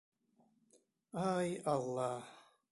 Ай, Алла!..